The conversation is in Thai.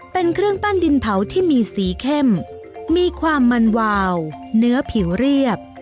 เป็นเครื่องปั้นดินเผาที่มีสีเข้มมีความมันวาวเนื้อผิวเรียบ